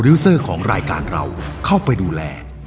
เซอร์ของรายการเราเข้าไปดูแล